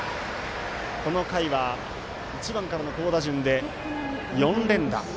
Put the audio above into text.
この回は１番からの好打順で４連打。